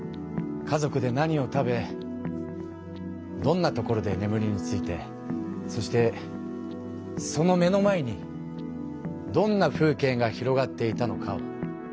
家族で何を食べどんな所でねむりについてそしてその目の前にどんな風景が広がっていたのかを。